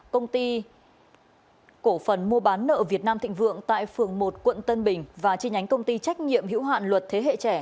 công ty cổ phần mua bán nợ việt nam thịnh vượng tại phường một quận tân bình và chi nhánh công ty trách nhiệm hữu hạn luật thế hệ trẻ